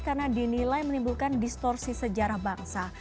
karena dinilai menimbulkan distorsi sejarah bangsa